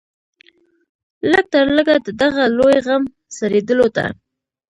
لږ تر لږه د دغه لوی غم سړېدلو ته.